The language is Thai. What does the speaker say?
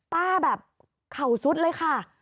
ป้าแบบเข่าสุดเลยค่ะ